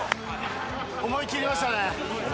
思い切りましたね。